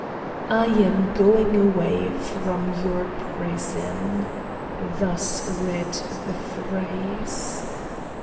"I am going away from your prison," thus read the phrase.